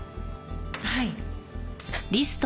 はい。